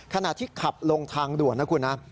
ขณะที่ขับลงทางด่วนนะคุณนะ